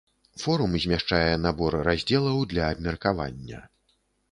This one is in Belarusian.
Форум змяшчае набор раздзелаў для абмеркавання.